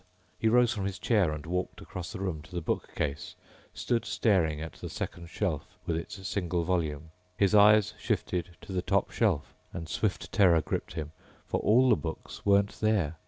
He rose from his chair and walked across the room to the book case, stood staring at the second shelf with its single volume. His eyes shifted to the top shelf and swift terror gripped him. For all the books weren't there.